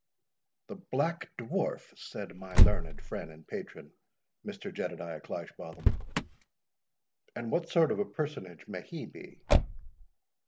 "The Black Dwarf!" said MY LEARNED FRIEND AND PATRON, Mr. Jedediah Cleishbotham, "and what sort of a personage may he be?"